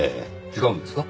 違うんですか？